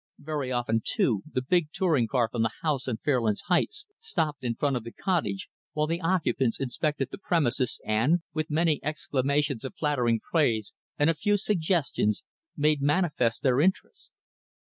Very often, too, the big touring car from the house on Fairlands Heights stopped in front of the cottage, while the occupants inspected the premises, and with many exclamations of flattering praise, and a few suggestions made manifest their interest.